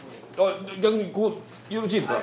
逆によろしいですか？